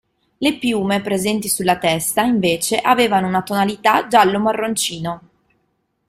Le piume presenti sulla testa invece avevano una tonalità giallo-marroncino.